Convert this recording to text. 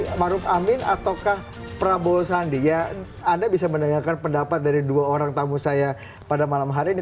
mas jokowi maruf amin ataukah pramohosa anda bisa menanyakan pendapat dari dua orang tamu saya pada malam hari ini